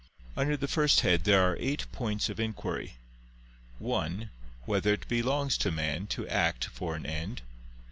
Under the first head there are eight points of inquiry: (1) Whether it belongs to man to act for an end?